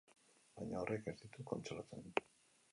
Baina horrek ez ditu kontsolatzen.